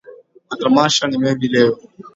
Matamasha ni mengi leo